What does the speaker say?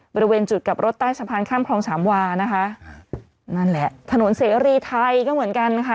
บริเวณจุดกับรถใต้สะพานข้ามครองชำวาถนนเสรีไทยก็เหมือนกัน